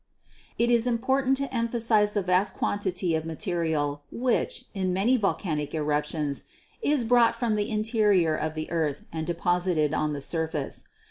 It is important to emphasize the vast quantity of material which, in many volcanic eruptions, is brought from the interior of the earth and deposited on the surface.